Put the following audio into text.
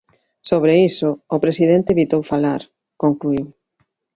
Sobre iso, o presidente evitou falar, concluíu.